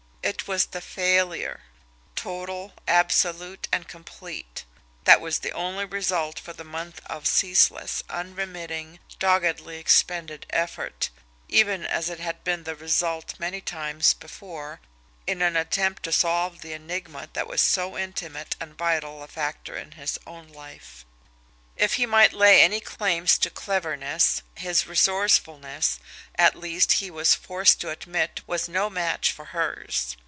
It was the failure, total, absolute, and complete, that was the only result for the month of ceaseless, unremitting, doggedly expended effort, even as it had been the result many times before, in an attempt to solve the enigma that was so intimate and vital a factor in his own life. If he might lay any claims to cleverness, his resourcefulness, at least, he was forced to admit, was no match for hers.